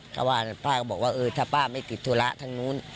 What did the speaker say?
ก็ว่าป้าก็บอกว่าเออถ้าป้าไม่ติดธุระทางนู้น